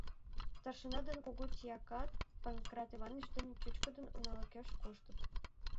Старшина ден кугу тиякат Панкрат Иваныч деке чӱчкыдын уналыкеш коштыт.